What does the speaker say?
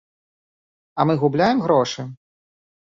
А мы губляем грошы?